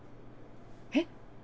えっ？